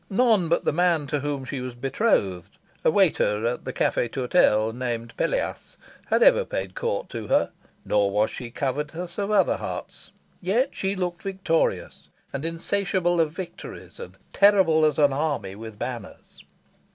None but the man to whom she was betrothed a waiter at the Cafe Tourtel, named Pelleas had ever paid court to her; nor was she covetous of other hearts. Yet she looked victorious, and insatiable of victories, and "terrible as an army with banners."